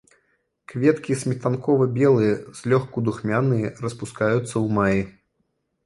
Кветкі сметанкова-белыя, злёгку духмяныя, распускаюцца ў маі.